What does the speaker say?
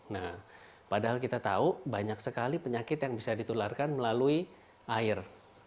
nah padahal kita tahu banyak sekali penyakit yang bisa ditularkan melalui air